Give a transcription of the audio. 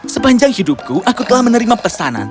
sepanjang hidupku aku telah menerima pesanan